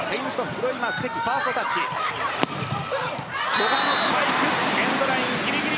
古賀のスパイクエンドラインギリギリ。